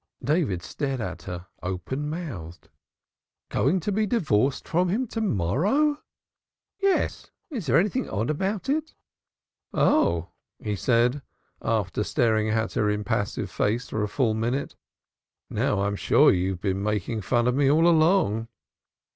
David stared at her, open mouthed. "Going to be divorced from him to morrow?" "Yes, is there anything odd about it?" "Oh," he said, after staring at her impassive face for a full minute. "Now I'm sure you've been making fun of me all along."